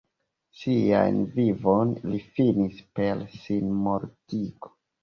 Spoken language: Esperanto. Sian vivon li finis per sinmortigo.